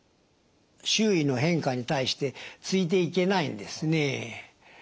周囲の変化に対してついていけないんですね。